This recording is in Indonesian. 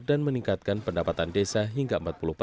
dan meningkatkan pendapatan desa hingga empat